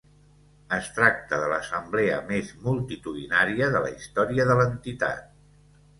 Es tracta de l’assemblea més multitudinària de la història de l’entitat.